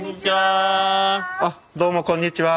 あっどうもこんにちは。